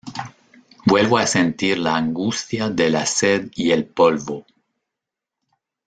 vuelvo a sentir la angustia de la sed y el polvo: